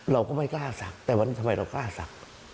เราก็ไม่กล้าศักดิ์แต่วันนี้ทำไมเรากล้าศักดิ์